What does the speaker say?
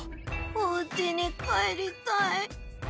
おうちに帰りたい。